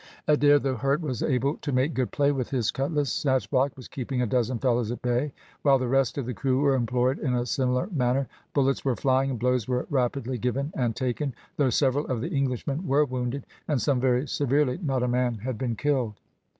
Adair, though hurt, was able to make good play with his cutlass. Snatchblock was keeping a dozen fellows at bay, while the rest of the crew were employed in a similar manner; bullets were flying and blows were rapidly given and taken. Though several of the Englishmen were wounded, and some very severely, not a man had been killed.